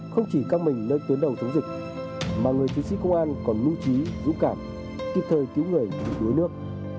không chỉ các mình nơi tuyến đầu chống dịch mà người chiến sĩ công an còn lưu trí dũng cảm kịp thời cứu người đuối nước